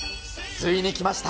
ついに来ました。